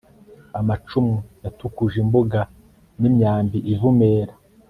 amacumu yatukuje imbuga n'imyambi ivumera